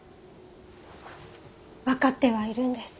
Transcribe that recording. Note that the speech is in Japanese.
分かってはいるんです。